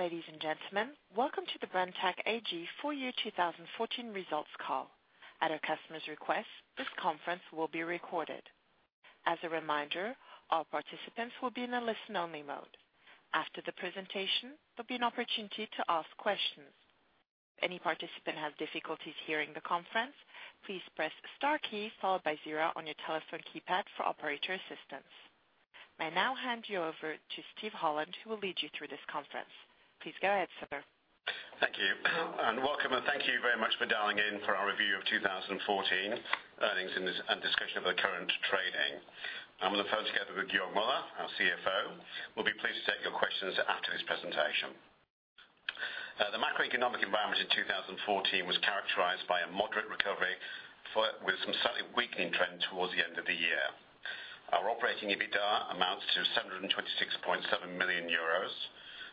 Ladies and gentlemen, welcome to the Brenntag AG full year 2014 results call. At our customers' request, this conference will be recorded. As a reminder, all participants will be in a listen-only mode. After the presentation, there'll be an opportunity to ask questions. Any participant has difficulties hearing the conference, please press * key followed by zero on your telephone keypad for operator assistance. I now hand you over to Steven Holland, who will lead you through this conference. Please go ahead, sir. Thank you. Welcome, and thank you very much for dialing in for our review of 2014 earnings and discussion of the current trading. I'm on the phone together with Georg Müller, our CFO. We'll be pleased to take your questions after his presentation. The macroeconomic environment in 2014 was characterized by a moderate recovery, with some slightly weakening trend towards the end of the year. Our operating EBITDA amounts to 726.7 million euros.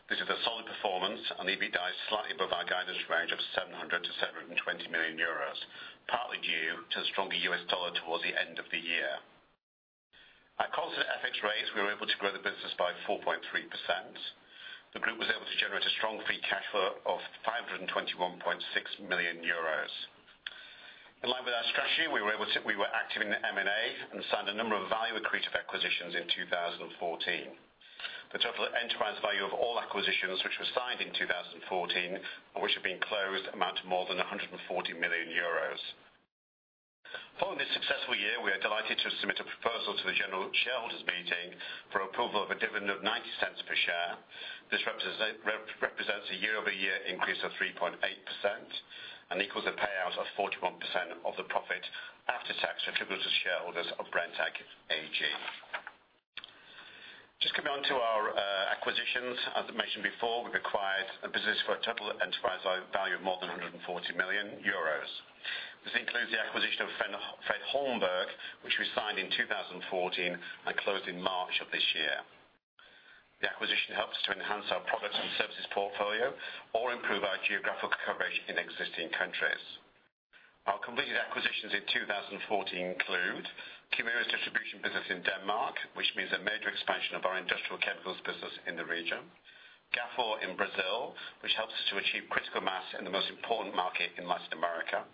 This is a solid performance, the EBITDA is slightly above our guidance range of 700-720 million euros, partly due to the stronger US dollar towards the end of the year. At constant FX rates, we were able to grow the business by 4.3%. The group was able to generate a strong free cash flow of 521.6 million euros. In line with our strategy, we were active in the M&A and signed a number of value-accretive acquisitions in 2014. The total enterprise value of all acquisitions which were signed in 2014, and which have been closed, amount to more than 140 million euros. Following this successful year, we are delighted to submit a proposal to the general shareholders meeting for approval of a dividend of 0.90 per share. This represents a year-over-year increase of 3.8% and equals a payout of 41% of the profit after tax attributable to shareholders of Brenntag AG. Just coming on to our acquisitions. As mentioned before, we've acquired a business for a total enterprise value of more than 140 million euros. This includes the acquisition of Fred Holmberg, which we signed in 2014 and closed in March of this year. The acquisition helps to enhance our products and services portfolio or improve our geographical coverage in existing countries. Our completed acquisitions in 2014 include Kemira's distribution business in Denmark, which means a major expansion of our industrial chemicals business in the region. Gafor in Brazil, which helps us to achieve critical mass in the most important market in Latin America.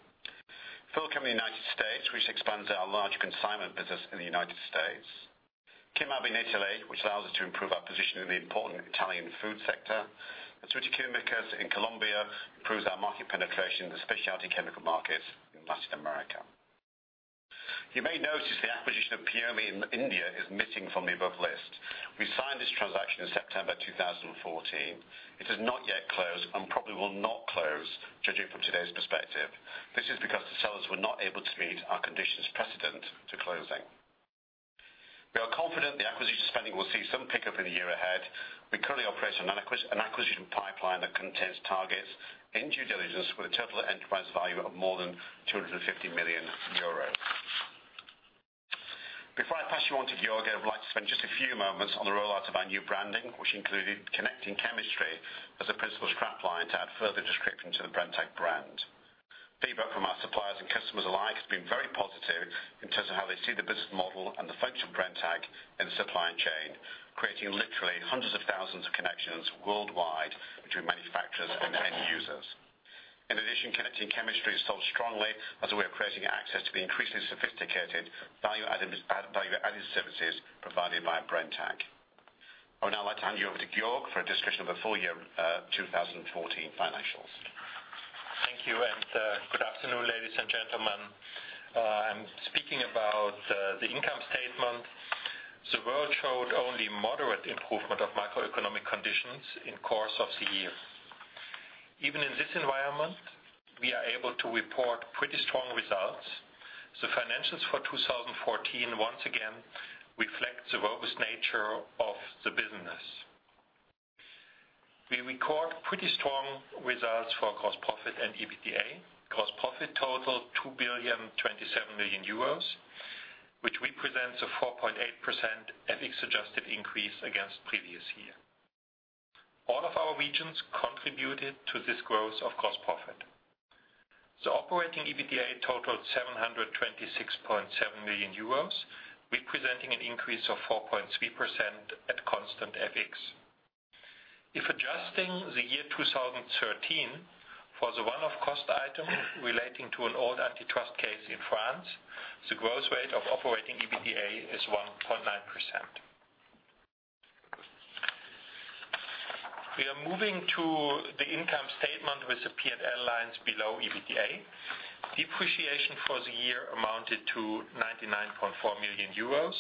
Philchem in the United States, which expands our large consignment business in the United States. Chimab in Italy, which allows us to improve our position in the important Italian food sector. SurtiQuimicos in Colombia improves our market penetration in the specialty chemical market in Latin America. You may notice the acquisition of Pioma in India is missing from the above list. We signed this transaction in September 2014. It is not yet closed and probably will not close, judging from today's perspective. This is because the sellers were not able to meet our conditions precedent to closing. We are confident the acquisition spending will see some pickup in the year ahead. We currently operate an acquisition pipeline that contains targets in due diligence with a total enterprise value of more than 250 million euros. Before I pass you on to Georg, I would like to spend just a few moments on the rollout of our new branding, which included ConnectingChemistry as a principal strap line to add further description to the Brenntag brand. Feedback from our suppliers and customers alike has been very positive in terms of how they see the business model and the function of Brenntag in the supply chain, creating literally hundreds of thousands of connections worldwide between manufacturers and end users. ConnectingChemistry is sold strongly as a way of creating access to the increasingly sophisticated value-added services provided by Brenntag. I would now like to hand you over to Georg for a discussion of the full year 2014 financials. Thank you, and good afternoon, ladies and gentlemen. I am speaking about the income statement. The world showed only moderate improvement of macroeconomic conditions in course of the year. Even in this environment, we are able to report pretty strong results. The financials for 2014 once again reflect the robust nature of the business. We record pretty strong results for gross profit and EBITDA. Gross profit totaled 2.027 billion, which represents a 4.8% FX-adjusted increase against previous year. All of our regions contributed to this growth of gross profit. The operating EBITDA totaled 726.7 million euros, representing an increase of 4.3% at constant FX. If adjusting the year 2013 for the one-off cost item relating to an old antitrust case in France, the growth rate of operating EBITDA is 1.9%. We are moving to the income statement with the P&L lines below EBITDA. Depreciation for the year amounted to 99.4 million euros.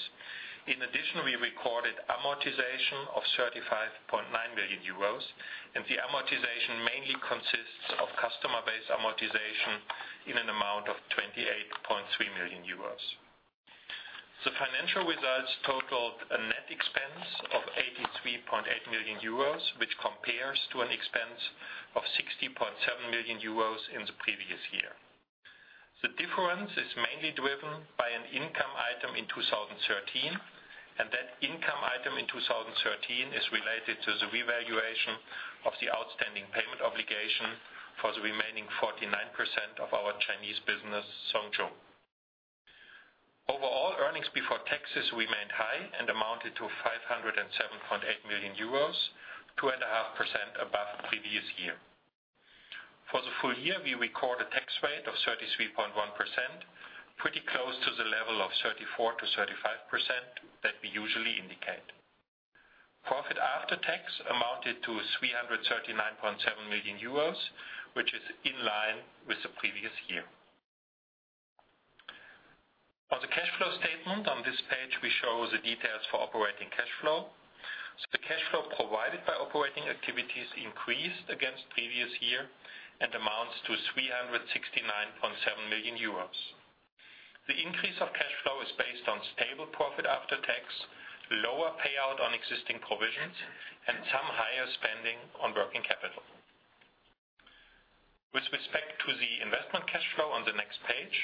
We recorded amortization of 35.9 million euros. The amortization mainly consists of customer-based amortization in an amount of 28.3 million euros. The financial results totaled a net expense of 83.8 million euros, which compares to an expense of 60.7 million euros in the previous year. The difference is mainly driven by an income item in 2013. That income item in 2013 is related to the revaluation of the outstanding payment obligation for the remaining 49% of our Chinese business, Zhong Yung. Our taxes remained high and amounted to 507.8 million euros, 2.5% above previous year. For the full year, we record a tax rate of 33.1%, pretty close to the level of 34%-35% that we usually indicate. Profit after tax amounted to 339.7 million euros, which is in line with the previous year. On the cash flow statement on this page, we show the details for operating cash flow. The cash flow provided by operating activities increased against the previous year and amounts to 369.7 million euros. The increase of cash flow is based on stable profit after tax, lower payout on existing provisions, and some higher spending on working capital. With respect to the investment cash flow on the next page,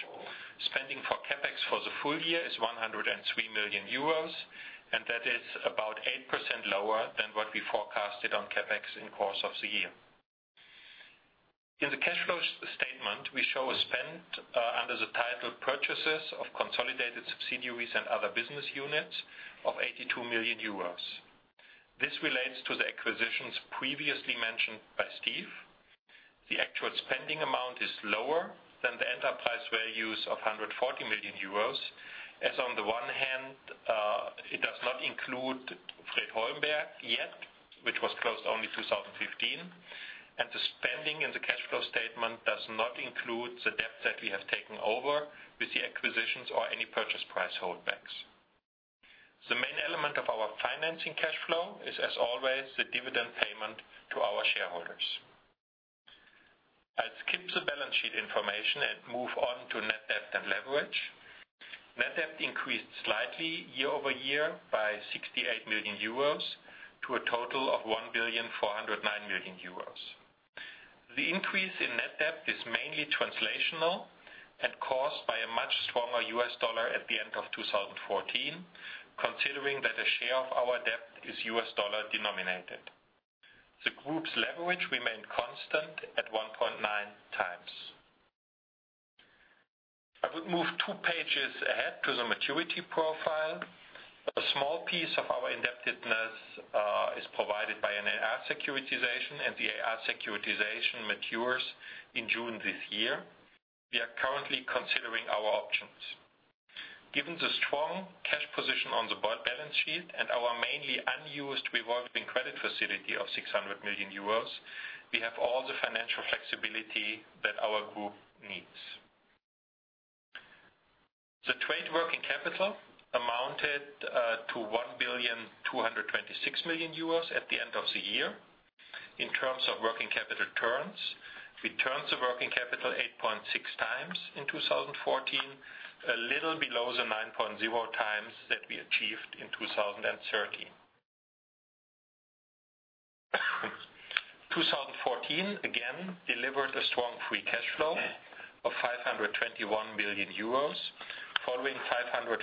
spending for CapEx for the full year is 103 million euros, and that is about 8% lower than what we forecasted on CapEx in course of the year. In the cash flow statement, we show a spend under the title Purchases of Consolidated Subsidiaries and Other Business Units of 82 million euros. This relates to the acquisitions previously mentioned by Steve. The actual spending amount is lower than the enterprise values of 140 million euros, as on the one hand, it does not include Fred Holmberg. Holmberg yet, which was closed only 2015, and the spending in the cash flow statement does not include the debt that we have taken over with the acquisitions or any purchase price holdbacks. The main element of our financing cash flow is, as always, the dividend payment to our shareholders. I will skip the balance sheet information and move on to net debt and leverage. Net debt increased slightly year-over-year by 68 million euros to a total of 1.409 billion euros. The increase in net debt is mainly translational and caused by a much stronger US dollar at the end of 2014, considering that a share of our debt is US dollar denominated. The group's leverage remained constant at 1.9 times. I would move two pages ahead to the maturity profile. A small piece of our indebtedness is provided by an AR securitization. The AR securitization matures in June this year. We are currently considering our options. Given the strong cash position on the board balance sheet and our mainly unused revolving credit facility of 600 million euros, we have all the financial flexibility that our group needs. The trade working capital amounted to 1.226 billion at the end of the year. In terms of working capital turns, we turned the working capital 8.6 times in 2014, a little below the 9.0 times that we achieved in 2013. 2014 again delivered a strong free cash flow of 521.6 million euros, following 543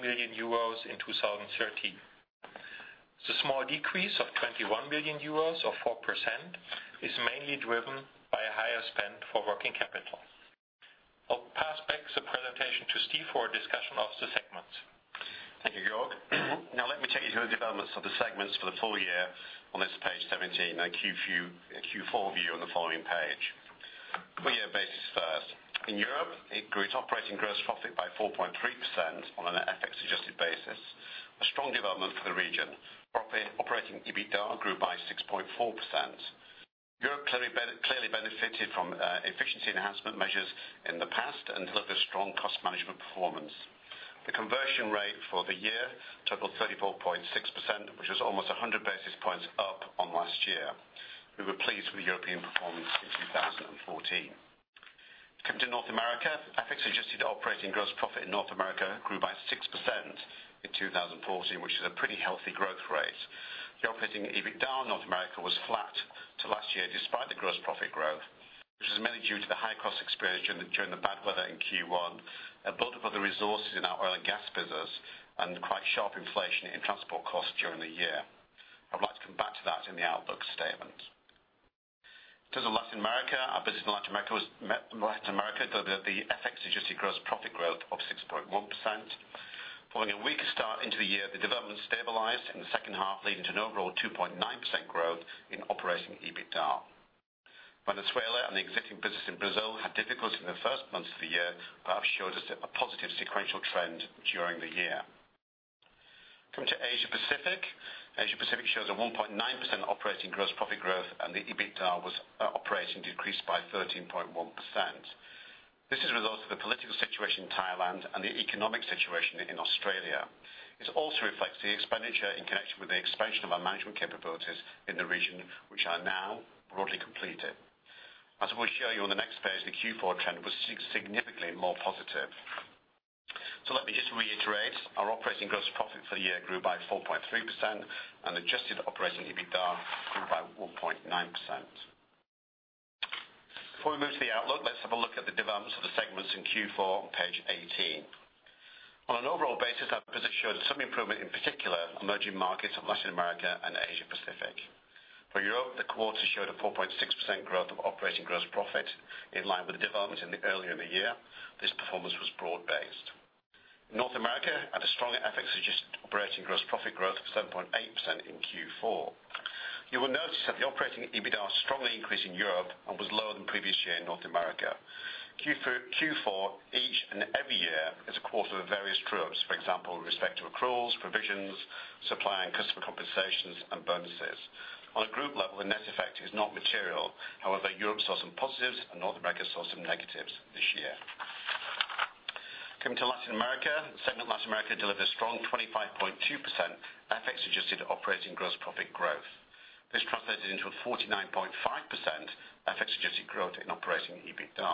million euros in 2013. The small decrease of 21 million euros, or 4%, is mainly driven by a higher spend for working capital. I will pass back the presentation to Steve for a discussion of the segments. Thank you, Georg. Let me take you through the developments of the segments for the full year on this page 17 and a Q4 view on the following page. Full year basis first. In Europe, it grew its operating gross profit by 4.3% on an FX-adjusted basis, a strong development for the region. Operating EBITDA grew by 6.4%. Europe clearly benefited from efficiency enhancement measures in the past and delivered a strong cost management performance. The conversion rate for the year totaled 34.6%, which is almost 100 basis points up on last year. We were pleased with European performance in 2014. Coming to North America, FX-adjusted operating gross profit in North America grew by 6% in 2014, which is a pretty healthy growth rate. The operating EBITDA in North America was flat to last year despite the gross profit growth, which is mainly due to the high costs experienced during the bad weather in Q1, a build-up of the resources in our oil and gas business, and quite sharp inflation in transport costs during the year. I would like to come back to that in the outlook statement. In terms of Latin America, our business in Latin America delivered the FX-adjusted gross profit growth of 6.1%. Following a weaker start into the year, the development stabilized in the second half, leading to an overall 2.9% growth in operating EBITDA. Venezuela and the existing business in Brazil had difficulty in the first months of the year, but showed us a positive sequential trend during the year. Coming to Asia Pacific. Asia Pacific shows a 1.9% operating gross profit growth, and the operating EBITDA decreased by 13.1%. This is a result of the political situation in Thailand and the economic situation in Australia. This also reflects the expenditure in connection with the expansion of our management capabilities in the region, which are now broadly completed. As we show you on the next page, the Q4 trend was significantly more positive. Let me just reiterate, our operating gross profit for the year grew by 4.3%, and adjusted operating EBITDA grew by 1.9%. Before we move to the outlook, let us have a look at the developments of the segments in Q4 on page 18. On an overall basis, our business showed some improvement, in particular, emerging markets of Latin America and Asia Pacific. For Europe, the quarter showed a 4.6% growth of operating gross profit in line with the development earlier in the year. This performance was broad-based. North America had a strong FX-adjusted operating gross profit growth of 7.8% in Q4. You will notice that the operating EBITDA strongly increased in Europe and was lower than previous year in North America. Q4 each and every year is a quarter of various true-ups, for example, with respect to accruals, provisions, supply and customer compensations, and bonuses. On a group level, the net effect is not material. Europe saw some positives and North America saw some negatives this year. Coming to Latin America. Segment Latin America delivered a strong 25.2% FX-adjusted operating gross profit growth. This translated into a 49.5% FX-adjusted growth in operating EBITDA.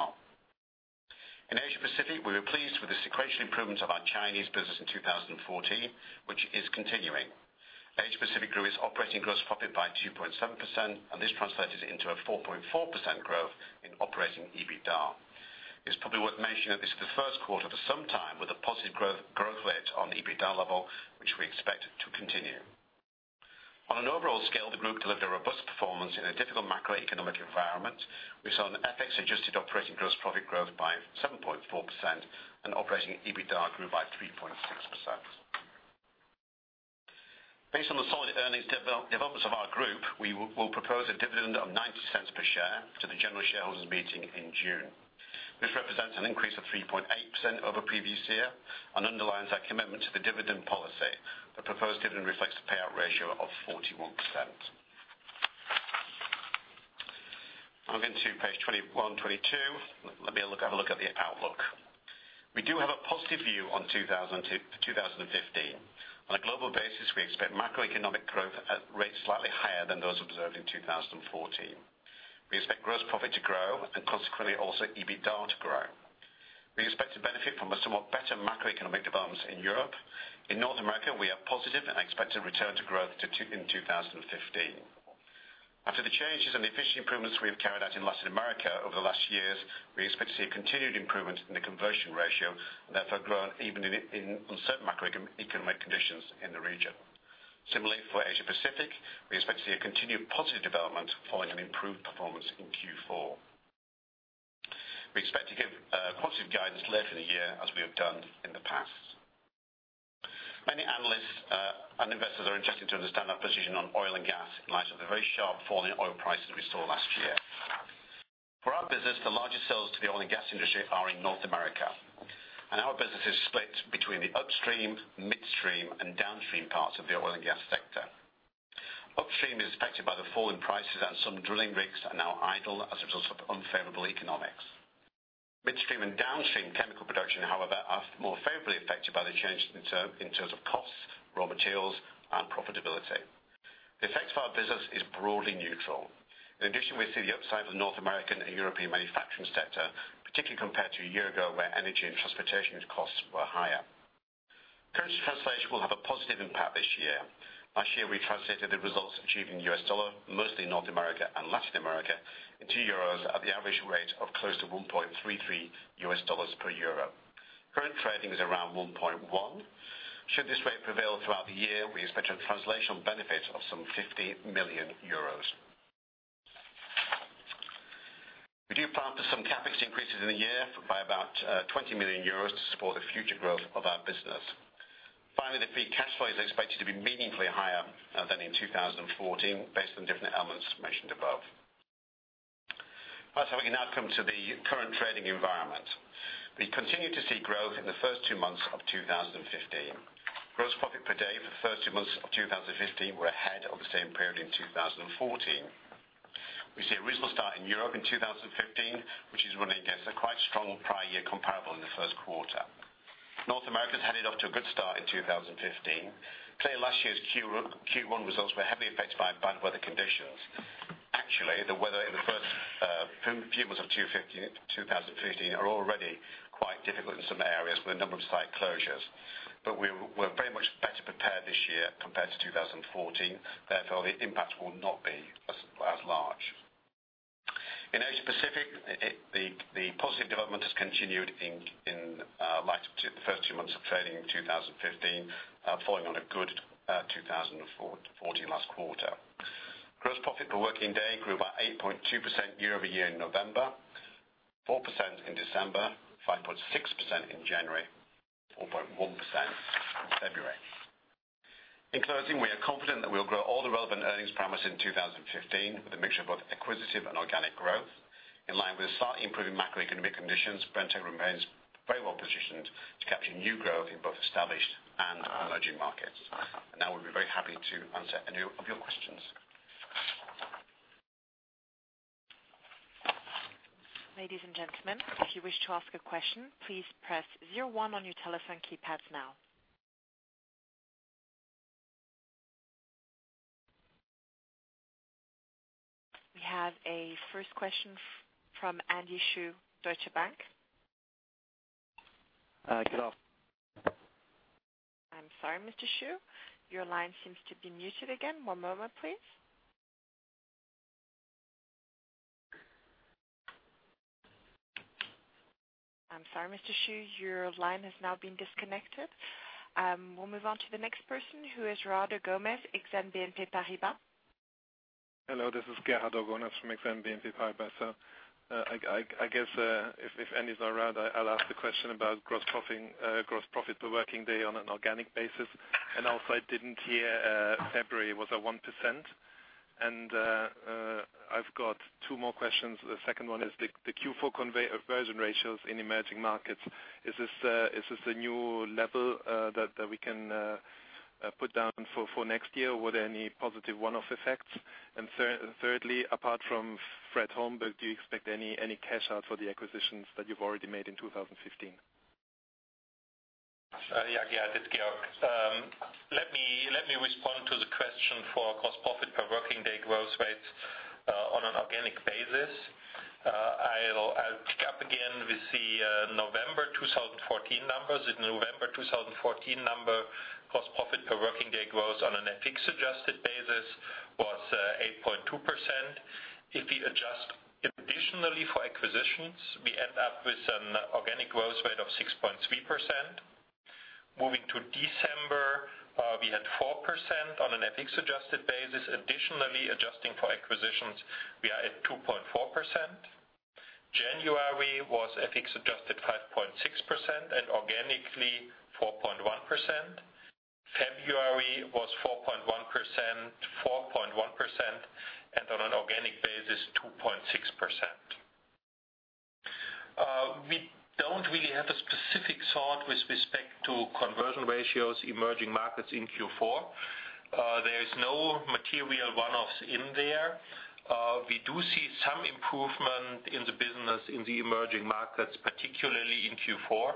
In Asia Pacific, we were pleased with the sequential improvements of our Chinese business in 2014, which is continuing. Asia Pacific grew its operating gross profit by 2.7%, and this translated into a 4.4% growth in operating EBITDA. It is probably worth mentioning that this is the first quarter for some time with a positive growth rate on the EBITDA level, which we expect to continue. On an overall scale, the group delivered a robust performance in a difficult macroeconomic environment. We saw an FX-adjusted operating gross profit growth by 7.4% and operating EBITDA grew by 3.6%. Based on the solid earnings developments of our group, we will propose a dividend of 0.90 per share to the general shareholders' meeting in June. This represents an increase of 3.8% over the previous year and underlines our commitment to the dividend policy. The proposed dividend reflects the payout ratio of 41%. Moving to page 21, 22. Let me have a look at the outlook. We do have a positive view on 2015. On a global basis, we expect macroeconomic growth at rates slightly higher than those observed in 2014. We expect gross profit to grow and consequently also EBITDA to grow. We expect to benefit from a somewhat better macroeconomic development in Europe. In North America, we are positive and expect to return to growth in 2015. After the changes and efficiency improvements we have carried out in Latin America over the last years, we expect to see a continued improvement in the conversion ratio and therefore growth even in uncertain macroeconomic conditions in the region. Similarly, for Asia Pacific, we expect to see a continued positive development following an improved performance in Q4. We expect to give positive guidance later in the year as we have done in the past. Many analysts and investors are interested to understand our position on oil and gas in light of the very sharp fall in oil prices we saw last year. For our business, the largest sales to the oil and gas industry are in North America, and our business is split between the upstream, midstream, and downstream parts of the oil and gas sector. Upstream is affected by the fall in prices, and some drilling rigs are now idle as a result of unfavorable economics. Midstream and downstream chemical production, however, are more favorably affected by the change in terms of costs, raw materials, and profitability. The effect of our business is broadly neutral. In addition, we see the upside of the North American and European manufacturing sector, particularly compared to a year ago, where energy and transportation costs were higher. Currency translation will have a positive impact this year. Last year, we translated the results achieved in U.S. dollar, mostly North America and Latin America, into euros at the average rate of close to $1.33 per EUR. Current trading is around 1.1. Should this rate prevail throughout the year, we expect a translational benefit of some 50 million euros. We do plan for some CapEx increases in the year by about 20 million euros to support the future growth of our business. Finally, the free cash flow is expected to be meaningfully higher than in 2014 based on different elements mentioned above. We can now come to the current trading environment. We continue to see growth in the first two months of 2015. Gross profit per day for the first two months of 2015 were ahead of the same period in 2014. We see a reasonable start in Europe in 2015, which is running against a quite strong prior year comparable in the first quarter. North America's headed off to a good start in 2015. Clearly, last year's Q1 results were heavily affected by bad weather conditions. Actually, the weather in the first few months of 2015 are already quite difficult in some areas with a number of site closures. We're very much better prepared this year compared to 2014. Therefore, the impact will not be as large. In Asia Pacific, the positive development has continued in light of the first two months of trading in 2015, following on a good 2014 last quarter. Gross profit per working day grew by 8.2% year-over-year in November, 4% in December, 5.6% in January, 4.1% in February. In closing, we are confident that we'll grow all the relevant earnings promised in 2015 with a mixture of both acquisitive and organic growth. In line with slightly improving macroeconomic conditions, Brenntag remains very well positioned to capture new growth in both established and emerging markets. Now, we'll be very happy to answer any of your questions. Ladies and gentlemen, if you wish to ask a question, please press 01 on your telephone keypads now. We have a first question from Andy Chu, Deutsche Bank. Good after- I'm sorry, Mr. Chu. Your line seems to be muted again. One moment, please. Sorry, Mr. Chu, your line has now been disconnected. We'll move on to the next person, who is Gerardo Gomez, Exane BNP Paribas. Hello, this is Gerardo Gomez from Exane BNP Paribas. I guess, if Andy's around, I'll ask the question about gross profit per working day on an organic basis. Also, I didn't hear February. Was that 1%? I've got two more questions. The second one is the Q4 conversion ratios in emerging markets. Is this a new level that we can put down for next year? Were there any positive one-off effects? Thirdly, apart from Fred Holmberg & Co, do you expect any cash out for the acquisitions that you've already made in 2015? Yeah, it's Georg. Let me respond to the question for gross profit per working day growth rate on an organic basis. I'll pick up again with the November 2014 numbers. In November 2014 number, gross profit per working day growth on an FX-adjusted basis was 8.2%. If we adjust additionally for acquisitions, we end up with an organic growth rate of 6.3%. Moving to December, we had 4% on an FX-adjusted basis. Additionally, adjusting for acquisitions, we are at 2.4%. January was FX-adjusted 5.6% and organically 4.1%. February was 4.1%, and on an organic basis, 2.6%. We don't really have a specific sort with respect to conversion ratios emerging markets in Q4. There is no material one-offs in there. We do see some improvement in the business in the emerging markets, particularly in Q4.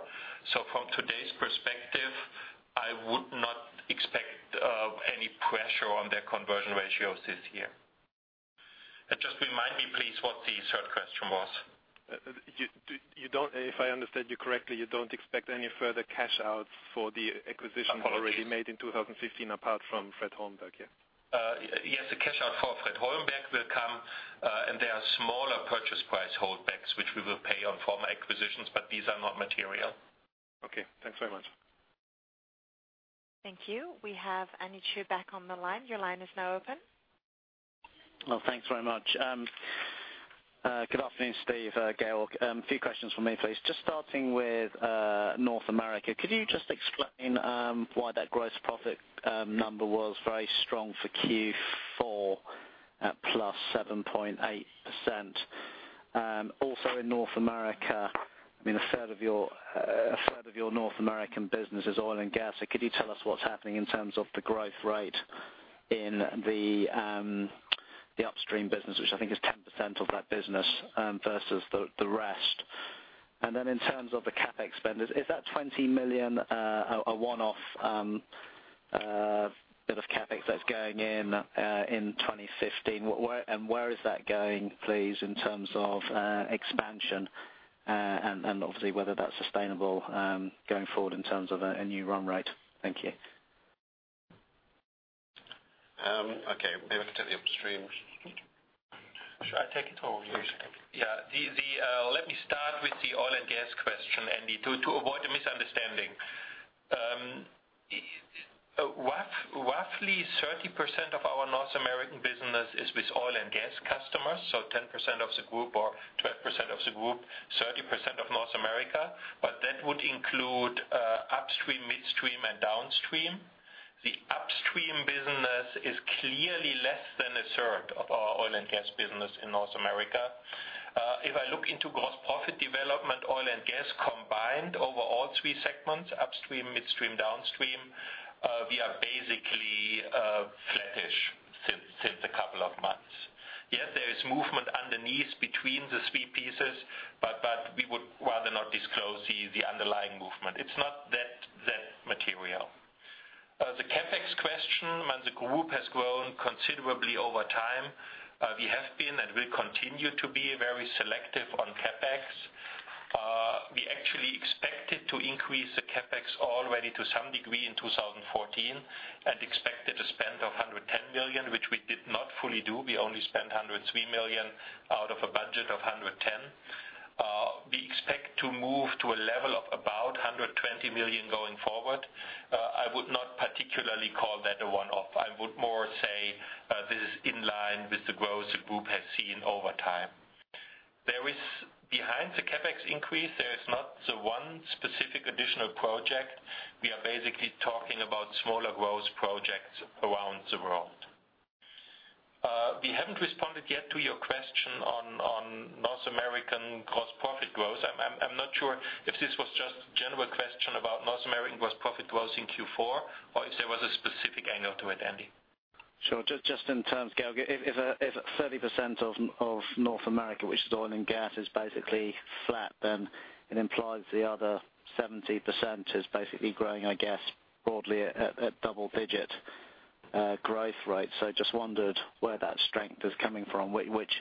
From today's perspective, I would not expect any pressure on their conversion ratios this year. Just remind me, please, what the third question was. If I understand you correctly, you don't expect any further cash outs for the acquisitions- Apologies already made in 2015, apart from Fred Holmberg, yeah? Yes, the cash out for Fred Holmberg will come, and there are smaller purchase price holdbacks, which we will pay on former acquisitions, but these are not material. Okay, thanks very much. Thank you. We have Andy Chu back on the line. Your line is now open. Well, thanks very much. Good afternoon, Steve, Georg. A few questions from me, please. Just starting with North America. Could you just explain why that gross profit number was very strong for Q4 at +7.8%? Also in North America, a third of your North American business is oil and gas. Could you tell us what's happening in terms of the growth rate in the upstream business, which I think is 10% of that business versus the rest? In terms of the CapEx spend, is that 20 million a one-off bit of CapEx that's going in 2015? Where is that going, please, in terms of expansion? Obviously, whether that's sustainable going forward in terms of a new run rate. Thank you. Okay. Maybe I take the upstream. Should I take it or you take it? Let me start with the oil and gas question, Andy, to avoid a misunderstanding. Roughly 30% of our North American business is with oil and gas customers, 10% of the group or 12% of the group, 30% of North America, but that would include upstream, midstream, and downstream. The upstream business is clearly less than a third of our oil and gas business in North America. If I look into gross profit development, oil and gas combined over all three segments, upstream, midstream, downstream, we are basically flattish since a couple of months. Yes, there is movement underneath between the three pieces, but we would rather not disclose the underlying movement. It's not that material. The CapEx question, the group has grown considerably over time. We have been, and we continue to be very selective on CapEx. We actually expected to increase the CapEx already to some degree in 2014 and expected to spend 110 million, which we did not fully do. We only spent 103 million out of a budget of 110. We expect to move to a level of about 120 million going forward. I would not particularly call that a one-off. I would more say this is in line with the growth the group has seen over time. Behind the CapEx increase, there is not the one specific additional project. We are basically talking about smaller growth projects around the world. We haven't responded yet to your question on North American gross profit growth. I'm not sure if this was just a general question about North American gross profit growth in Q4 or if there was a specific angle to it, Andy. Sure. Just in terms, Georg, if 30% of North America, which is oil and gas, is basically flat, it implies the other 70% is basically growing, I guess, broadly at double-digit growth rates. I just wondered where that strength is coming from, which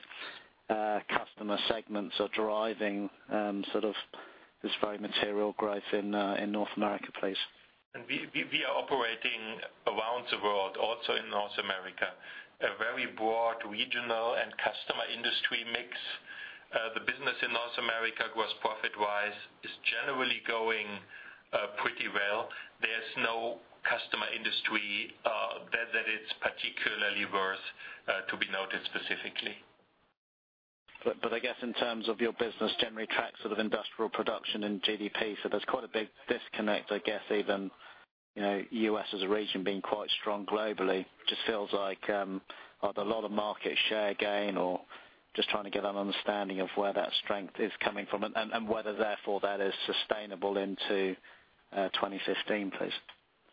customer segments are driving this very material growth in North America, please. We are operating around the world, also in North America, a very broad regional and customer industry mix. The business in North America, gross profit-wise, is generally going that it's particularly worth to be noted specifically. I guess in terms of your business generally tracks sort of industrial production and GDP, there's quite a big disconnect, I guess even, U.S. as a region being quite strong globally, just feels like either a lot of market share gain or just trying to get an understanding of where that strength is coming from and whether therefore that is sustainable into 2015, please.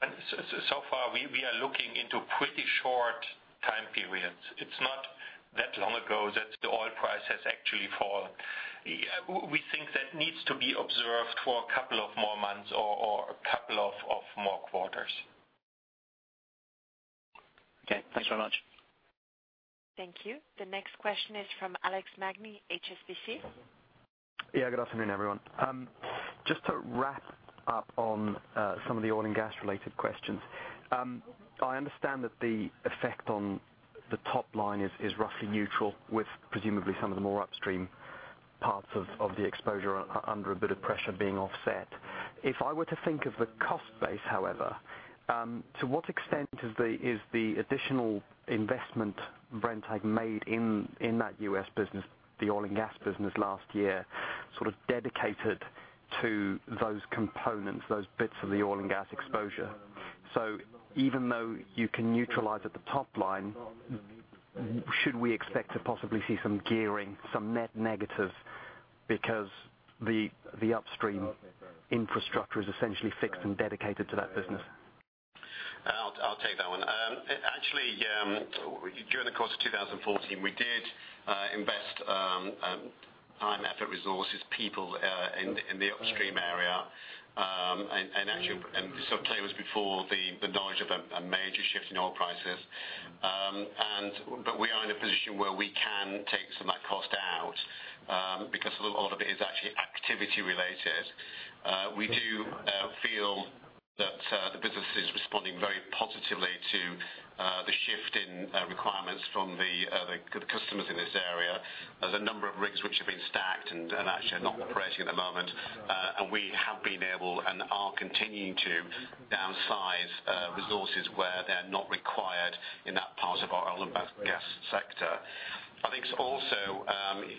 Far we are looking into pretty short time periods. It's not that long ago that the oil price has actually fallen. We think that needs to be observed for a couple of more months or a couple of more quarters. Okay. Thanks very much. Thank you. The next question is from Alex Magni, HSBC. Good afternoon, everyone. Just to wrap up on some of the oil and gas related questions. I understand that the effect on the top line is roughly neutral with presumably some of the more upstream parts of the exposure under a bit of pressure being offset. If I were to think of the cost base, however, to what extent is the additional investment Brenntag made in that U.S. business, the oil and gas business last year, sort of dedicated to those components, those bits of the oil and gas exposure? Even though you can neutralize at the top line, should we expect to possibly see some gearing, some net negative because the upstream infrastructure is essentially fixed and dedicated to that business? I'll take that one. Actually, during the course of 2014, we did invest time, effort, resources, people in the upstream area, and actually, clearly it was before the knowledge of a major shift in oil prices. We are in a position where we can take some of that cost out, because a lot of it is actually activity related. We do feel that the business is responding very positively to the shift in requirements from the customers in this area. There's a number of rigs which have been stacked and actually are not operating at the moment. We have been able and are continuing to downsize resources where they're not required in that part of our oil and gas sector. I think also,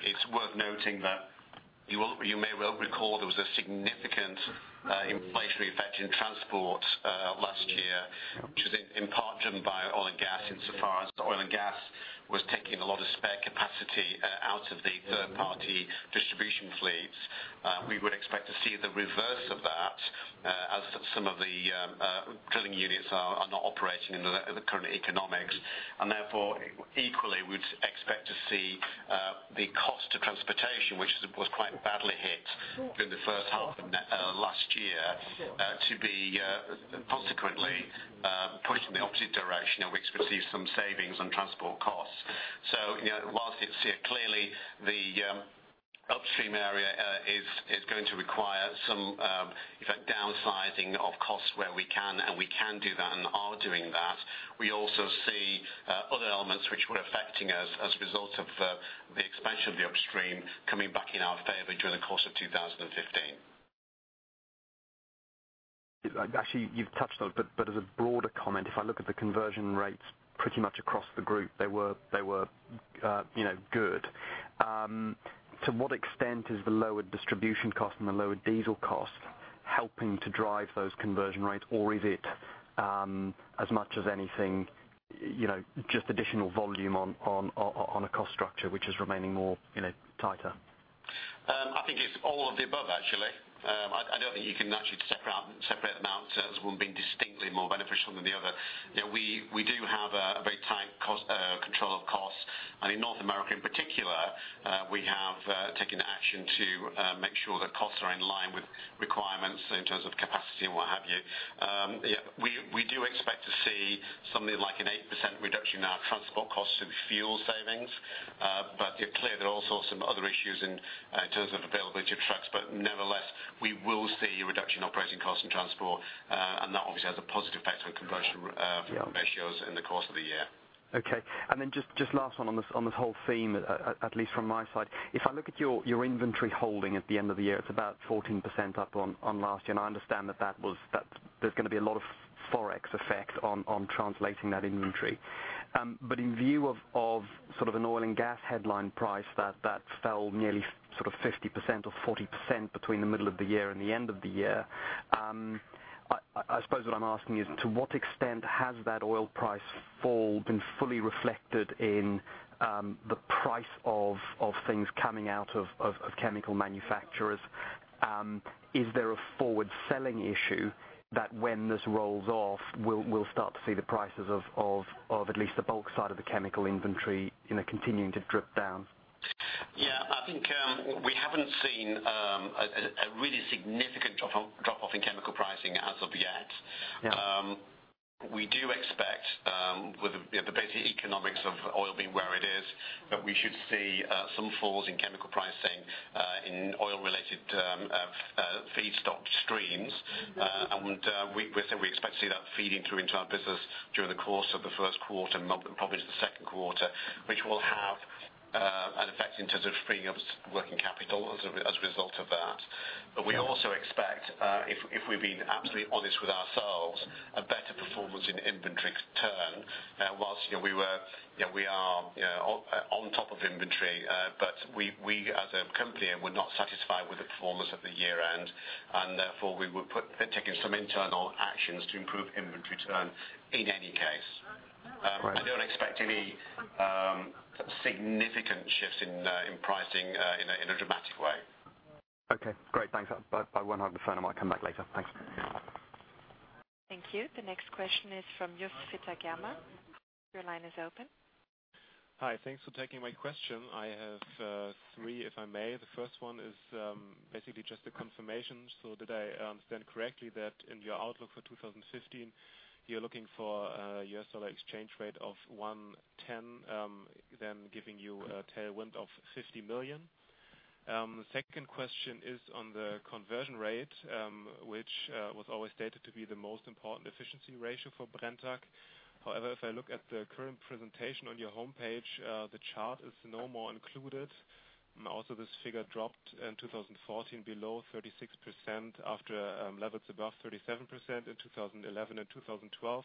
it's worth noting that you may well recall there was a significant inflationary effect in transport last year, which was in part driven by oil and gas insofar as oil and gas was taking a lot of spare capacity out of the third party distribution fleets. We would expect to see the reverse of that as some of the drilling units are not operating in the current economics. Therefore, equally, we'd expect to see the cost of transportation, which was quite badly hit during the first half of last year, to be consequently pushed in the opposite direction, and we expect to see some savings on transport costs. Whilst it's clear, clearly the upstream area is going to require some effect downsizing of costs where we can, and we can do that and are doing that, we also see other elements which were affecting us as a result of the expansion of the upstream coming back in our favor during the course of 2015. Actually, you've touched on it, but as a broader comment, if I look at the conversion rates pretty much across the group, they were good. To what extent is the lowered distribution cost and the lowered diesel cost helping to drive those conversion rates? Or is it, as much as anything, just additional volume on a cost structure which is remaining more tighter? I think it's all of the above, actually. I don't think you can actually separate them out as one being distinctly more beneficial than the other. We do have a very tight control of costs. In North America in particular, we have taken action to make sure that costs are in line with requirements in terms of capacity and what have you. We do expect to see something like an 8% reduction in our transport costs through fuel savings. It clear there are also some other issues in terms of availability of trucks. Nevertheless, we will see a reduction in operating costs in transport, and that obviously has a positive effect on conversion ratios in the course of the year. Okay. Just last one on this whole theme, at least from my side. If I look at your inventory holding at the end of the year, it's about 14% up on last year, and I understand that there's going to be a lot of Forex effect on translating that inventory. In view of sort of an oil and gas headline price that fell nearly sort of 50% or 40% between the middle of the year and the end of the year, I suppose what I'm asking is, to what extent has that oil price fall been fully reflected in the price of things coming out of chemical manufacturers? Is there a forward selling issue that when this rolls off, we'll start to see the prices of at least the bulk side of the chemical inventory continuing to drip down? Yeah. I think we haven't seen a really significant drop-off in chemical pricing as of yet. Yeah. We do expect, with the basic economics of oil being where it is, that we should see some falls in chemical pricing in oil related feedstock streams. We say we expect to see that feeding through into our business during the course of the first quarter, probably into the second quarter, which will have Freeing up working capital as a result of that. We also expect, if we're being absolutely honest with ourselves, a better performance in inventory turn whilst we are on top of inventory. We as a company were not satisfied with the performance at the year-end, and therefore, we were taking some internal actions to improve inventory turn in any case. Right. I don't expect any significant shifts in pricing in a dramatic way. Okay, great. Thanks. I won't have the phone. I might come back later. Thanks. Thank you. The next question is from Jos Fittagama. Your line is open. Hi. Thanks for taking my question. I have three, if I may. The first one is basically just a confirmation. Did I understand correctly that in your outlook for 2015, you're looking for a US dollar exchange rate of 1.10, then giving you a tailwind of 50 million? The second question is on the conversion ratio, which was always stated to be the most important efficiency ratio for Brenntag. However, if I look at the current presentation on your homepage, the chart is no more included. Also, this figure dropped in 2014 below 36% after levels above 37% in 2011 and 2012.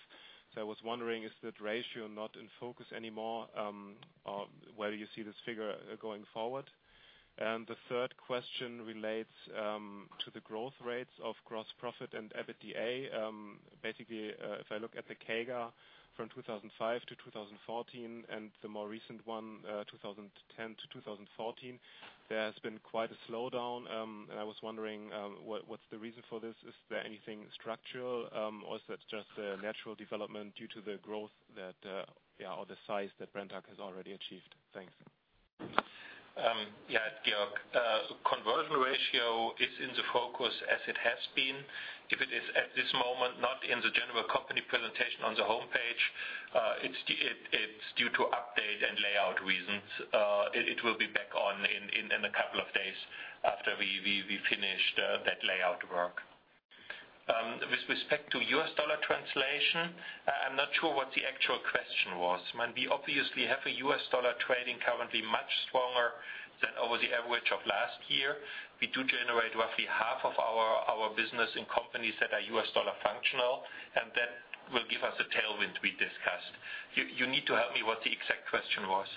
I was wondering, is that ratio not in focus anymore? Where do you see this figure going forward? The third question relates to the growth rates of gross profit and EBITDA. Basically, if I look at the CAGR from 2005 to 2014 and the more recent one, 2010 to 2014, there has been quite a slowdown. I was wondering, what's the reason for this? Is there anything structural? Is it just a natural development due to the growth or the size that Brenntag has already achieved? Thanks. Yeah, Georg. Conversion ratio is in the focus as it has been. If it is at this moment not in the general company presentation on the homepage, it's due to update and layout reasons. It will be back on in a couple of days after we finish that layout work. With respect to US dollar translation, I'm not sure what the actual question was. We obviously have a US dollar trading currently much stronger than over the average of last year. We do generate roughly half of our business in companies that are US dollar functional, and that will give us a tailwind we discussed. You need to help me what the exact question was.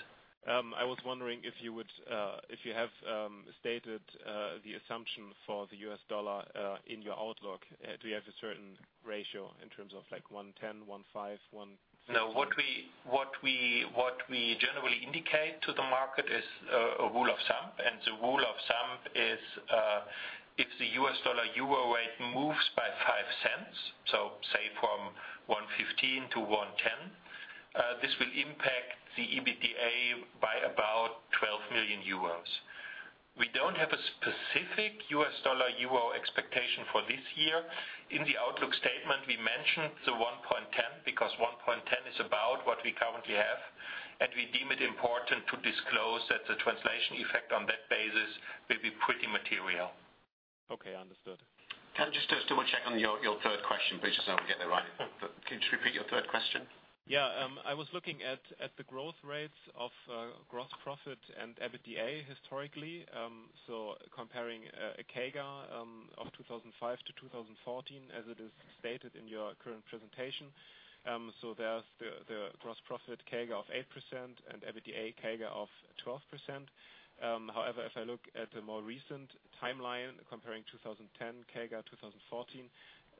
I was wondering if you have stated the assumption for the US dollar in your outlook. Do you have a certain ratio in terms of like 1.10, 1.05, 1.06? What we generally indicate to the market is a rule of thumb, and the rule of thumb is if the US dollar-euro rate moves by 0.05, so say from 1.15 to 1.10, this will impact the EBITDA by about 12 million euros. We don't have a specific US dollar-euro expectation for this year. In the outlook statement, we mentioned the 1.10 because 1.10 is about what we currently have, and we deem it important to disclose that the translation effect on that basis will be pretty material. Okay, understood. Can I just do a double check on your third question, please, just so I can get that right. Can you just repeat your third question? Yeah. I was looking at the growth rates of gross profit and EBITDA historically. Comparing a CAGR of 2005 to 2014, as it is stated in your current presentation. There's the gross profit CAGR of 8% and EBITDA CAGR of 12%. However, if I look at the more recent timeline, comparing 2010 CAGR 2014,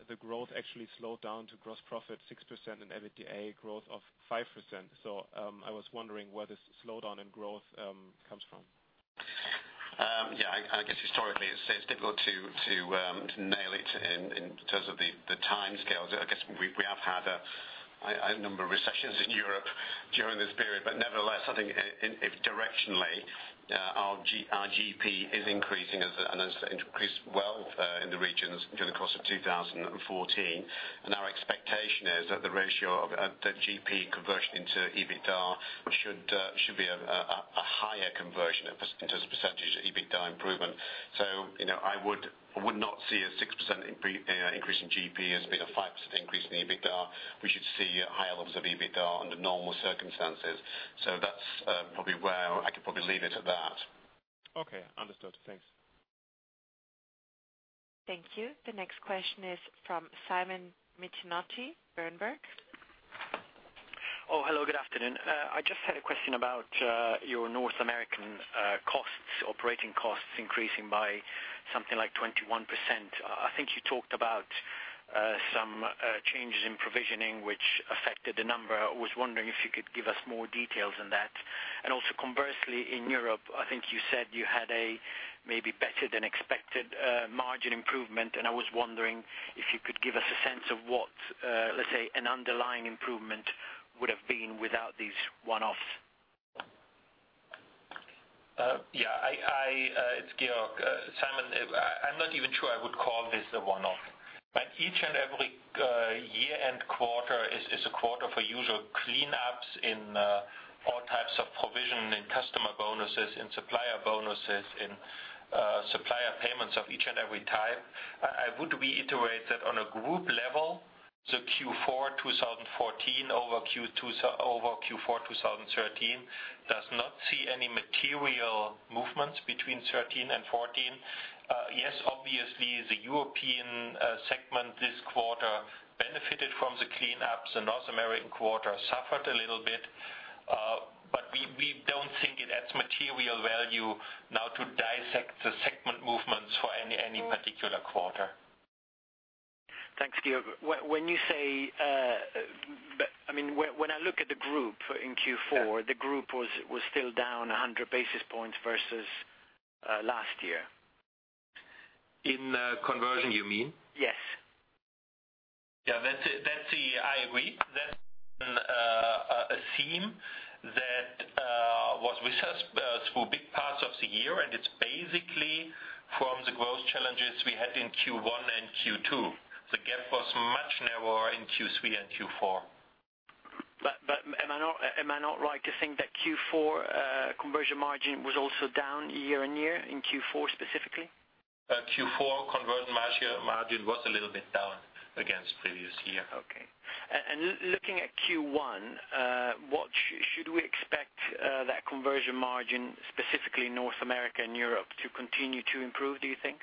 the growth actually slowed down to gross profit 6% and EBITDA growth of 5%. I was wondering where this slowdown in growth comes from. Historically, it's difficult to nail it in terms of the timescales. We have had a number of recessions in Europe during this period. Nevertheless, I think directionally, our GP is increasing and has increased well in the regions during the course of 2014. Our expectation is that the ratio of the GP conversion into EBITDA should be a higher conversion in terms of percentage EBITDA improvement. I would not see a 6% increase in GP as being a 5% increase in EBITDA. We should see higher levels of EBITDA under normal circumstances. That's probably where I could probably leave it at that. Understood. Thanks. Thank you. The next question is from Simon Mezzanotte, Berenberg. Hello. Good afternoon. I just had a question about your North American costs, operating costs increasing by something like 21%. I think you talked about some changes in provisioning which affected the number. I was wondering if you could give us more details on that. Conversely, in Europe, I think you said you had a maybe better-than-expected margin improvement, and I was wondering if you could give us a sense of what, let's say, an underlying improvement would have been without these one-offs. Yeah. It's Georg. Simon, I'm not even sure I would call this a one-off. Each and every year-end quarter is a quarter for usual cleanups in all types of provision in customer bonuses, in supplier bonuses, in supplier payments of each and every type. I would reiterate that on a group level. The Q4 2014 over Q4 2013 does not see any material movements between '13 and '14. Yes, obviously, the European segment this quarter benefited from the cleanups. The North American quarter suffered a little bit. We don't think it adds material value now to dissect the segment movements for any particular quarter. Thanks, Georg. When I look at the group in Q4, the group was still down 100 basis points versus last year. In conversion, you mean? Yes. Yeah. I agree. That's been a theme that was with us through big parts of the year. It's basically from the growth challenges we had in Q1 and Q2. The gap was much narrower in Q3 and Q4. Am I not right to think that Q4 conversion margin was also down year-on-year in Q4 specifically? Q4 conversion margin was a little bit down against previous year. Okay. Looking at Q1, should we expect that conversion margin, specifically in North America and Europe, to continue to improve, do you think?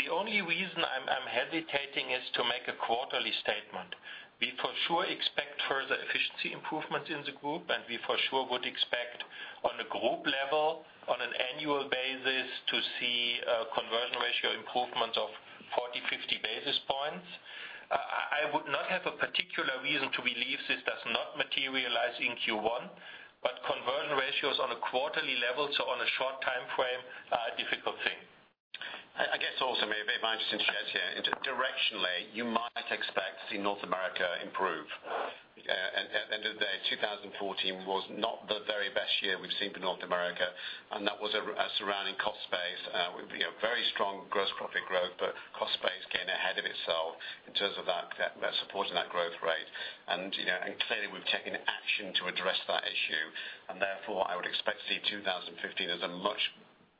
The only reason I'm hesitating is to make a quarterly statement. We for sure expect further efficiency improvements in the group, and we for sure would expect on a group level, on an annual basis, to see a conversion ratio improvement of 40, 50 basis points. I would not have a particular reason to believe this does not materialize in Q1, but conversion ratios on a quarterly level, so on a short time frame, are a difficult thing. I guess also maybe my interest in here, directionally, you might expect to see North America improve. At the end of the day, 2014 was not the very best year we've seen for North America, and that was a surrounding cost base. Very strong gross profit growth, cost base getting ahead of itself in terms of that supporting that growth rate. Clearly, we've taken action to address that issue. Therefore, I would expect to see 2015 as a much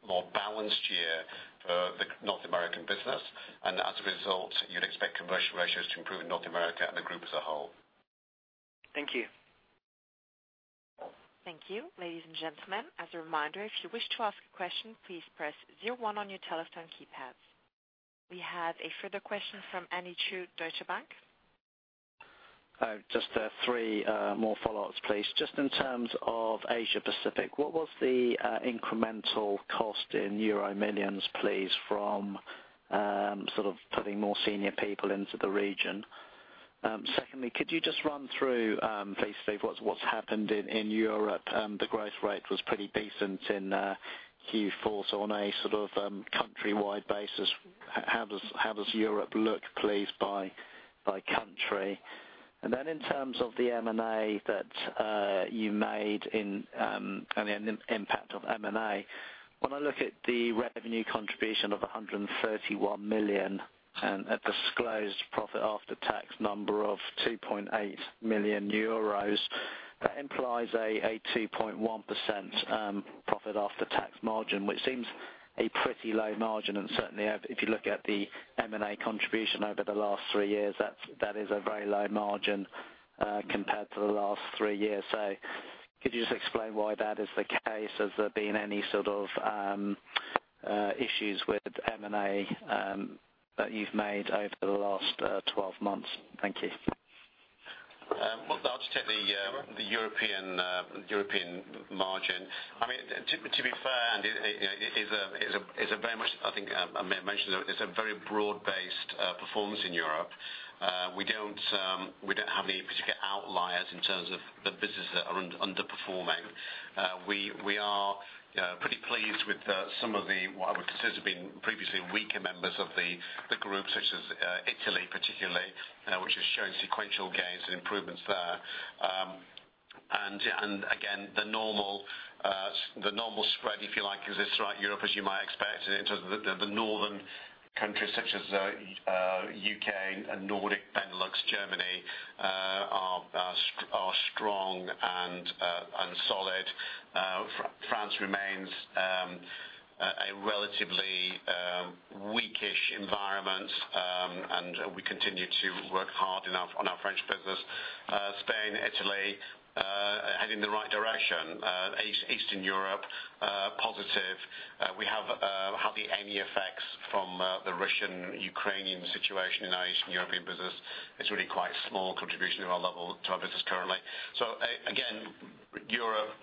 more balanced year for the North American business. As a result, you'd expect conversion ratios to improve in North America and the group as a whole. Thank you. Thank you. Ladies and gentlemen, as a reminder, if you wish to ask a question, please press 01 on your telephone keypads. We have a further question from Andy Chu, Deutsche Bank. Just three more follow-ups, please. Just in terms of Asia Pacific, what was the incremental cost in euro millions, please, from putting more senior people into the region? Secondly, could you just run through, please, Steve, what's happened in Europe? The growth rate was pretty decent in Q4. On a countrywide basis, how does Europe look, please, by country? In terms of the M&A that you made and the impact of M&A, when I look at the revenue contribution of 131 million and a disclosed profit after tax number of 2.8 million euros, that implies a 2.1% profit after tax margin, which seems a pretty low margin. Certainly, if you look at the M&A contribution over the last three years, that is a very low margin compared to the last three years. Could you just explain why that is the case? Has there been any issues with M&A that you've made over the last 12 months? Thank you. Well, I'll just take the European margin. To be fair, I think I mentioned, it's a very broad-based performance in Europe. We don't have any particular outliers in terms of the businesses that are underperforming. We are pretty pleased with some of the, what I would consider been previously weaker members of the group, such as Italy particularly, which has shown sequential gains and improvements there. Again, the normal spread, if you like, exists throughout Europe as you might expect. In terms of the northern countries such as U.K., Nordic, Benelux, Germany are strong and solid. France remains a relatively weak-ish environment, and we continue to work hard on our French business. Spain, Italy heading in the right direction. Eastern Europe, positive. We haven't had any effects from the Russian-Ukrainian situation in our Eastern European business. It's really quite small contribution to our business currently. Again, Europe,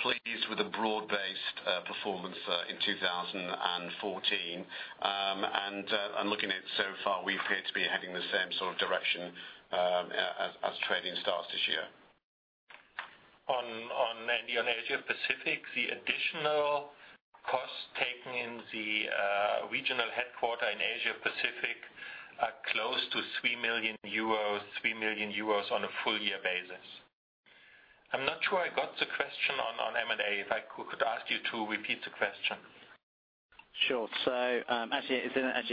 pleased with the broad-based performance in 2014. Looking at so far, we appear to be heading the same sort of direction as trading starts this year. On Asia Pacific, the additional costs taken in the regional headquarter in Asia Pacific are close to 3 million euros on a full year basis. I'm not sure I got the question on M&A. If I could ask you to repeat the question. Sure. Actually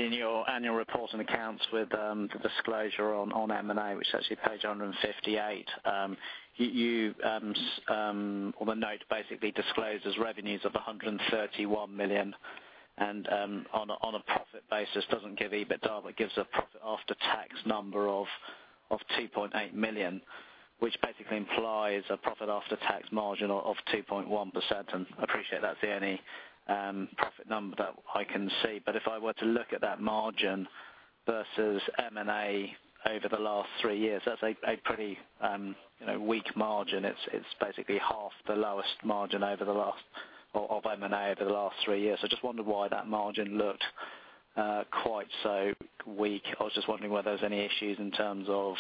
in your annual report and accounts with the disclosure on M&A, which is actually page 158, on the note basically discloses revenues of 131 million. On a profit basis, doesn't give EBITDA, but gives a profit after tax number of 2.8 million, which basically implies a profit after tax margin of 2.1%. I appreciate that's the only profit number that I can see. If I were to look at that margin versus M&A over the last three years, that's a pretty weak margin. It's basically half the lowest margin of M&A over the last three years. Just wondered why that margin looked quite so weak. I was just wondering whether there was any issues in terms of